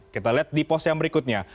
kita lihat di pos yang berikutnya